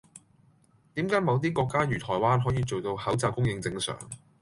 點解某啲國家如台灣可以做到口罩供應正常